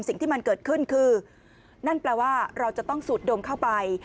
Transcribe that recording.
สิ่งที่มันเกิดขึ้นคือนั่นแปลว่าเราจะต้องสูดดมเข้าไป